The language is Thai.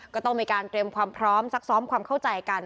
ก็ต้องมีการเตรียมความพร้อมซักซ้อมความเข้าใจกัน